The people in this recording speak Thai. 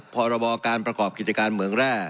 พรบการประกอบกิจการเหมืองแร่